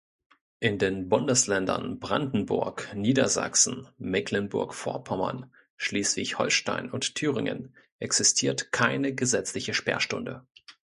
In den Bundesländern Brandenburg, Niedersachsen, Mecklenburg-Vorpommern, Schleswig-Holstein und Thüringen existiert keine gesetzliche Sperrstunde.